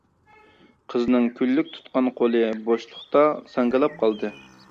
قىزنىڭ كۈنلۈك تۇتقان قولى بوشلۇقتا ساڭگىلاپ قالدى.